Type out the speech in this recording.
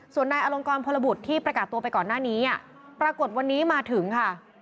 ส่วนนายอลงกรพลบุตรที่ประกาศตัวไปก่อนหน้านี้ปรากฏวันนี้มาถึงค่ะ